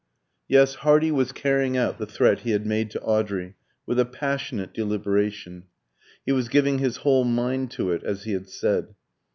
Yes; Hardy was carrying out the threat he had made to Audrey, with a passionate deliberation. He was "giving his whole mind to it," as he had said.